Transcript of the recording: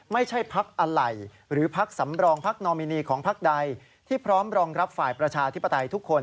ไม่ใช่ภักดิ์อะไรหรือภักดิ์สำรองภักดิ์โนมินีของภักดิ์ใดที่พร้อมรองรับฝ่ายประชาธิปไทยทุกคน